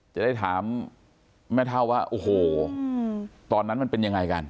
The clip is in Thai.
จะได้ถามแม่เท่าว่าโอ้โหตอนนั้นมันเป็นยังไงกัน